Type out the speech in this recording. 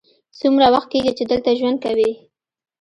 څومره وخت کیږی چې دلته ژوند کوې؟